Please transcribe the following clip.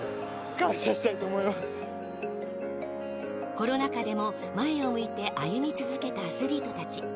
コロナ禍でも前を向いて歩み続けたアスリートたち。